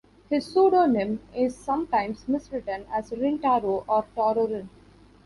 His pseudonym is sometimes miswritten as Rin Taro or Taro Rin.